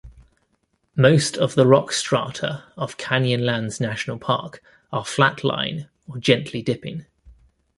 Most of the rock strata of Canyonlands National Park are flat-lying or gently dipping.